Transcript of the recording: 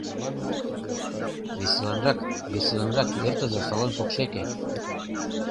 Веселанрак, веселанрак эртыза салон покшеке.